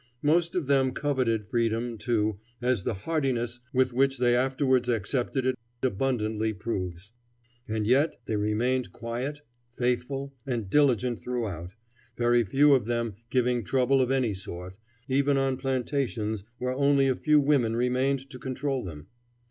Most of them coveted freedom, too, as the heartiness with which they afterwards accepted it abundantly proves. And yet they remained quiet, faithful, and diligent throughout, very few of them giving trouble of any sort, even on plantations where only a few women remained to control them.